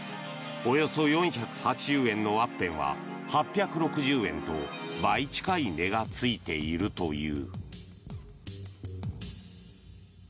およそ４８０円のワッペンは８６０円と倍近い値がついているという。